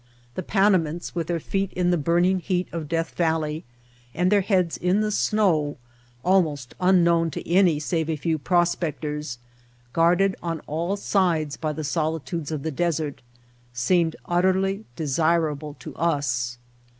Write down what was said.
The Panamints, with their feet in the burning heat of Death Valley and their heads in the snow, almost unknown to any save a few prospectors, guarded on all sides by the solitudes of the desert, seemed utterly desirable to us.